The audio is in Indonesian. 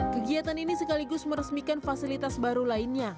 kegiatan ini sekaligus meresmikan fasilitas baru lainnya